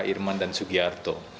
irman dan sugiarto